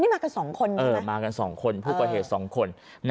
อันนี้มากันสองคนผู้ก่อเหตุสองคน